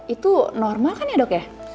itu normal kan ya dok ya